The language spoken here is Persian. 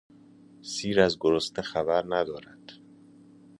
سیر از گرسنه خبر ندارد.